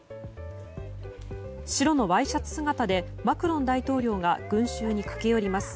白のワイシャツ姿でマクロン大統領が群衆に駆け寄ります。